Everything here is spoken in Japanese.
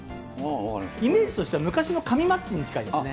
イメージとしては昔の紙マッチに近いですね。